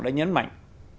đã nhấn mạnh